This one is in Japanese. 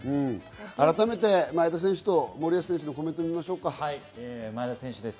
改めて前田選手と森保監督のコメントを見ましょうか。